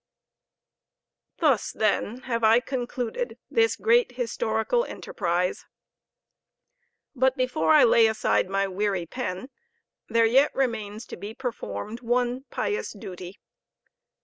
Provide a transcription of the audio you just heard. Thus then have I concluded this great historical enterprise; but before I lay aside my weary pen, there yet remains to be performed one pious duty.